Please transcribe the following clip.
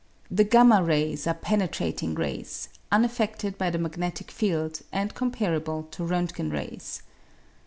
The y rays are penetrating rays, unaffedted by the magnetic field, and comparable to Rontgen rays.